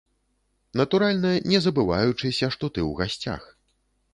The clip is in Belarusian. Натуральна, не забываючыся, што ты ў гасцях.